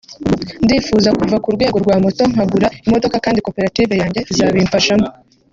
ndifuza kuva ku rwego rwa moto nkagura imodoka kandi koperative yanjye izabimfashamo